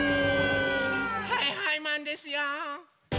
はいはいマンですよ！